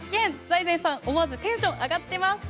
財前さん、思わずテンションが上がっています。